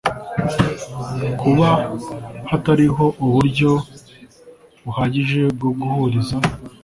Kuba hatariho uburyo buhagije bwo guhuriza